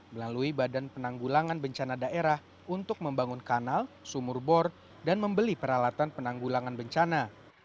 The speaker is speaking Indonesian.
melalui badan penanggulangan bencana daerah untuk membangun kanal sumur bor dan membeli peralatan penanggulangan bencana